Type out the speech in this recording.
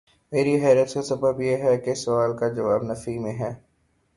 میری حیرت کا سبب یہ ہے کہ اس سوال کا جواب نفی میں ہے۔